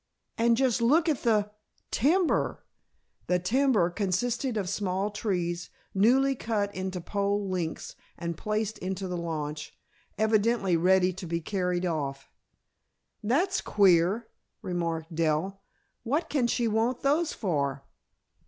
"And just look at the timber!" The timber consisted of small trees, newly cut into pole lengths and placed into the launch, evidently ready to be carried off. "That's queer," remarked Dell. "What can she want those for?"